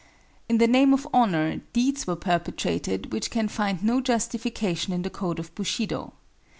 In the name of Honor, deeds were perpetrated which can find no justification in the code of Bushido.